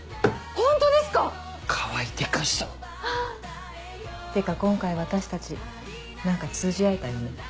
ホントですか⁉川合でかした！ってか今回私たち何か通じ合えたよね。